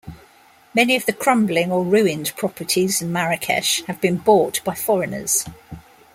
Many of the crumbling or ruined properties in Marrakech have been bought by foreigners.